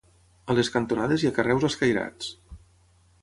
A les cantonades hi ha carreus escairats.